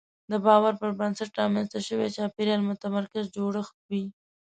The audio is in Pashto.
د باور پر بنسټ رامنځته شوی چاپېریال متمرکز جوړښت وي.